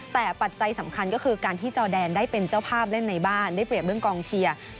แต่ปัจจัยสำคัญก็คือการที่จอแดนได้เป็นเจ้าภาพเล่นในบ้านได้เปรียบเรื่องกองเชียร์